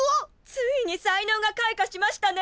ついに才能が開花しましたね！